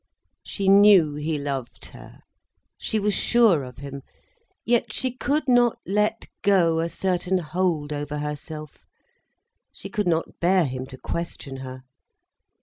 She knew he loved her; she was sure of him. Yet she could not let go a certain hold over herself, she could not bear him to question her.